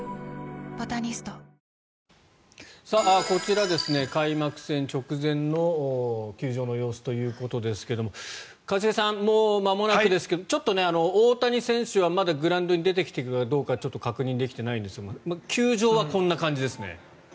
こちら開幕戦直前の球場の様子ということですが一茂さん、もうまもなくですがちょっと大谷選手はまだグラウンドに出てきているかどうかちょっと確認できていないんですが球場はこんな感じです。